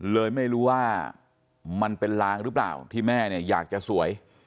เลยไม่รู้ว่ามันเป็นลางหรือเปล่าที่แม่เนี่ยอยากจะสวย